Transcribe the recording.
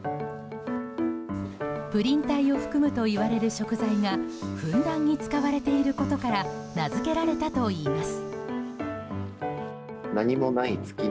プリン体を含むといわれる食材がふんだんに使わていることから名づけられたといいます。